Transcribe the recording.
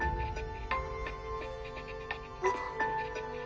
あっ。